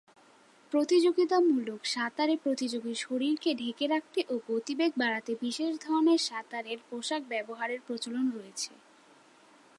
প্রতিযোগিতামূলক সাঁতারে প্রতিযোগীর শরীরকে ঢেকে রাখতে ও গতিবেগ বাড়াতে বিশেষ ধরনের সাঁতারের পোশাক ব্যবহারের প্রচলন রয়েছে।